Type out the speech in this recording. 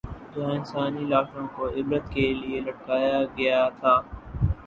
جہاں انسانی لاشوں کو عبرت کے لیے لٹکایا گیا تھا۔